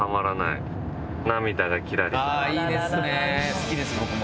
好きです僕も。